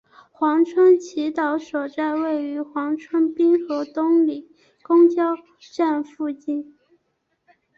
黄村祈祷所位于黄村滨河东里公交站附近。